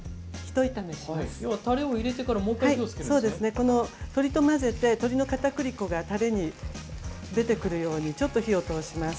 この鶏と混ぜて鶏のかたくり粉がタレに出てくるようにちょっと火を通します。